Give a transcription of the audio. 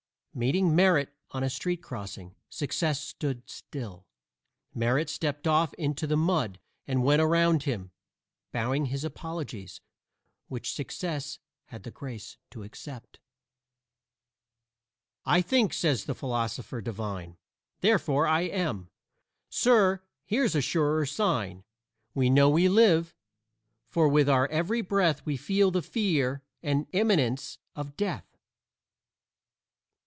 Meeting Merit on a street crossing, Success stood still. Merit stepped off into the mud and went around him, bowing his apologies, which Success had the grace to accept. "I think," says the philosopher divine, "Therefore I am." Sir, here's a surer sign: We know we live, for with our every breath we feel the fear and imminence of death.